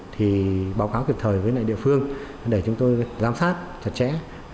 thì báo cáo kịp thời với lại địa phương để chúng tôi giám sát thật chẽ